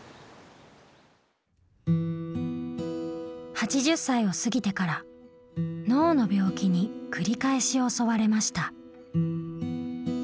８０歳を過ぎてから脳の病気に繰り返し襲われました。